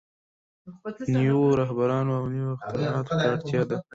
نويو رهبرانو او نويو اختراعاتو ته اړتيا ده.